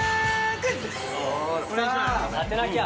当てなきゃ！